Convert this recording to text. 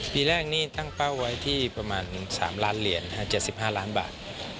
ปีแรกนี่ตั้งเป้าไว้ที่ประมาณ๓ล้านเหรียญ๗๕ล้านบาท